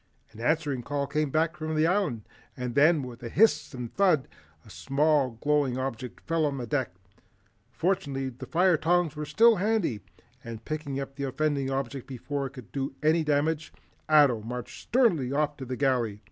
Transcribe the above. An answering call came from the Island, and then, with a hiss and thud, a small glowing object fell on the deck. Fortunately the fire tongs were still handy and picking up the offending object before it could do any damage, Ato marched sternly off to the galley.